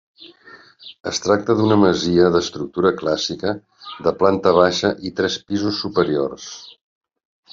Es tracta d'una masia d'estructura clàssica, de planta baixa i tres pisos superiors.